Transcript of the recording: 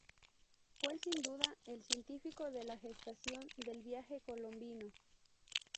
Fue, sin duda, el científico de la gestación del viaje colombino.